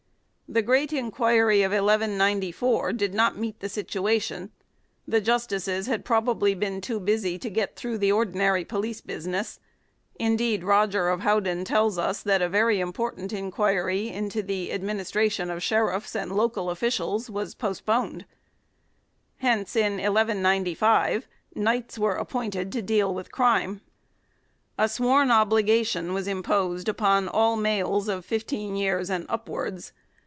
The great inquiry of 1 194 did not meet the situation : the justices had prob ably been too busy to get through the ordinary police business ; indeed Roger of Howden tells us that a very important inquiry into the administration of sheriffs and local officials was postponed. Hence in 1 195 knights were appointed to deal with crime. A sworn obliga tion was imposed upon all males of fifteen years and upwards.